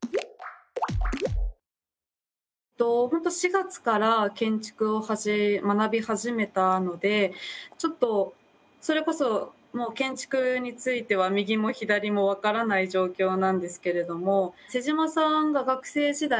４月から建築を学び始めたのでそれこそ建築については右も左も分からない状況なんですけれども妹島さんが学生時代